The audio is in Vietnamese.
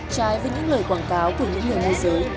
trái với những lời quảng cáo của những người môi giới